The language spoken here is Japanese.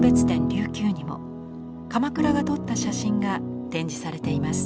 琉球にも鎌倉が撮った写真が展示されています。